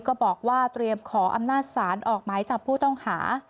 ก็บอกว่าเตรียมขออำนาจศาลออกหมายจับผู้ต้องหา